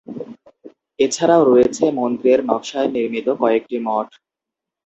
এছাড়াও রয়েছে মন্দিরের নকশায় নির্মিত কয়েকটি মঠ।